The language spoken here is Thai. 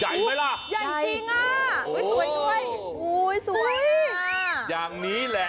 ใหญ่มั้ยล่ะ